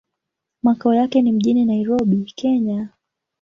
Makao yake ni mjini Nairobi, Kenya.